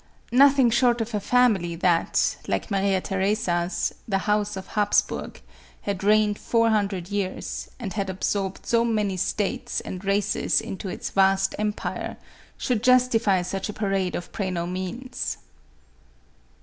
Nothing short of a family that, like Maria Theresa's — the House of Hapsburgh, had reigned four hundred years, and had absorbed so many states and races into its vast em pire, should justify such a parade of praenomenes.